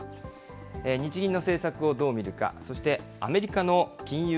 日銀の政策をどう見るか、そしてアメリカの金融